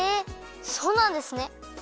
そうなんですね。